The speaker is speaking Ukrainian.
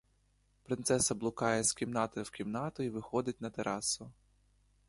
Принцеса блукає з кімнати в кімнату й виходить на терасу.